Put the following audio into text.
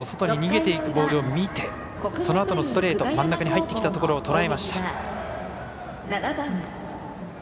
下川邊マーガードの外に逃げていくボールを見てそのあとのストレート真ん中に入ってきたところをとらえました。